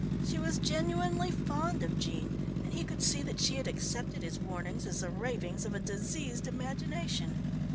She was genuinely fond of Jean and he could see that she had accepted his warnings as the ravings of a diseased imagination.